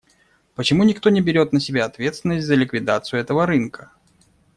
Почему никто не берет на себя ответственность за ликвидацию этого рынка?